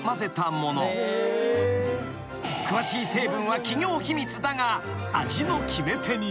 ［詳しい成分は企業秘密だが味の決め手に］